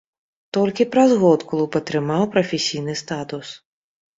Толькі праз год клуб атрымаў прафесійны статус.